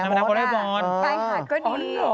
นางเป็นนักวอร์เรบอร์นปลายขาดก็ดีอ๋อนี่เหรอ